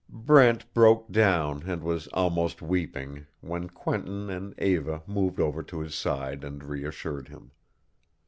Brent broke down and was almost weeping, when Quentin and Eva moved over to his side and reassured him.